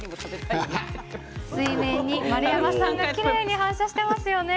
水面に丸山さんがきれいに反射していますよね。